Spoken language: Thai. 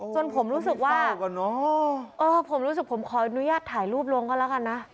จนผมรู้สึกว่าผมรู้สึกผมขออนุญาตถ่ายรูปลงก็แล้วกันนะ